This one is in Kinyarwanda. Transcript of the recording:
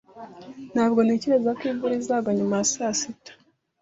Ntabwo ntekereza ko imvura izagwa nyuma ya saa sita.